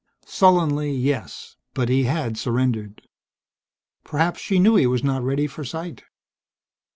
Sullenly, yes, but he had surrendered. Perhaps she knew he was not ready for sight.